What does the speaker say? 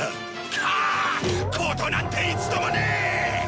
ことなんて一度もねえ！